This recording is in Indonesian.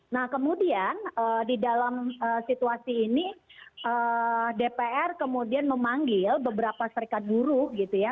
nah kemudian di dalam situasi ini dpr kemudian memanggil beberapa serikat buruh gitu ya